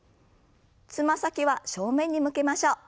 つま先は正面に向けましょう。